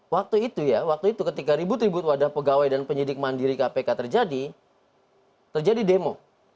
waktu itu ya waktu itu ketika ribut ribut wadah pegawai dan penyidik mandiri kpk terjadi terjadi demo